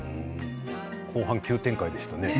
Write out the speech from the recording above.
後半、急展開でしたね。